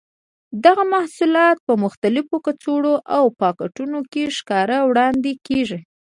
دغه محصولات په مختلفو کڅوړو او پاکټونو کې ښکلي وړاندې کېږي.